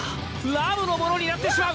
ラムのものになってしまう！